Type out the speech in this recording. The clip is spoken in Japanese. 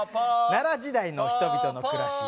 奈良時代の人々の暮らし。